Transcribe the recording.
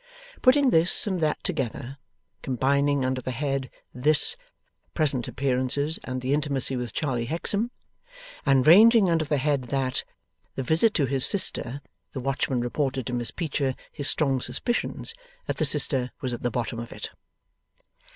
Putting this and that together combining under the head 'this,' present appearances and the intimacy with Charley Hexam, and ranging under the head 'that' the visit to his sister, the watchman reported to Miss Peecher his strong suspicions that the sister was at the bottom of it.